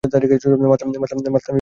মাতলামি করো না, থমাস!